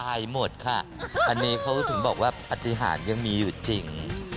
อันนี้เขาก็ถึงบอกว่าปฏิหารยังมีอยู่จริง